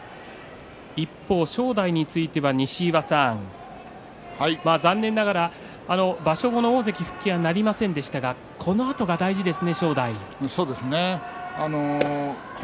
一方、正代については西岩さん残念ながら場所後の大関復帰はなりませんでしたがこのあとが大事ですね。